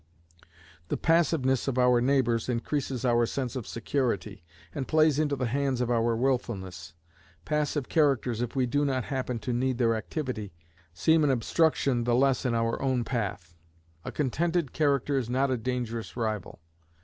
The passiveness of our neighbors increases our sense of security, and plays into the hands of our wilfulness. Passive characters, if we do not happen to need their activity, seem an obstruction the less in our own path. A contented character is not a dangerous rival.